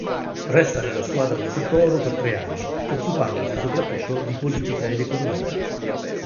Resta nella squadra di Santoro per tre anni, occupandosi soprattutto di politica ed economia.